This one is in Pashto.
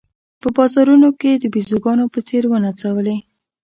په بازارونو کې د بېزوګانو په څېر ونڅولې.